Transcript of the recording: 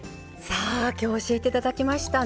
さあ今日教えていただきました